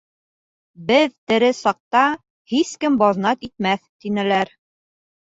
— Беҙ тере саҡта, һис кем баҙнат итмәҫ... — тинеләр.